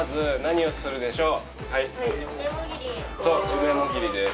梅もぎりです。